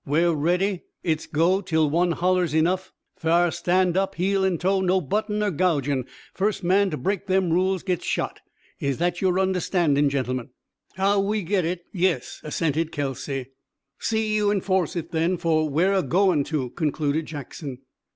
"We're ready. It's go till one hollers enough; fa'r stand up, heel an' toe, no buttin' er gougin'. Fust man ter break them rules gits shot. Is that yore understandin', gentlemen. "How we get it, yes," assented Kelsey. "See you enforce it then, fer we're a goin' to," concluded Jackson.